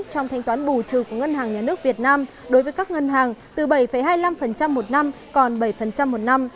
trong thanh toán bù trừ của ngân hàng nhà nước việt nam đối với các ngân hàng từ bảy hai mươi năm một năm còn bảy một năm